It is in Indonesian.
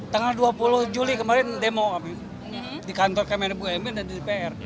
tengah dua puluh juli kemarin demo kami di kantor kmnbu mn dan di dpr